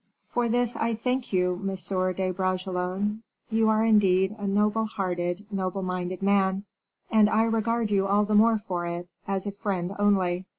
For this, I thank you, Monsieur de Bragelonne; you are, indeed, a noble hearted, noble minded man, and I regard you all the more for it, as a friend only.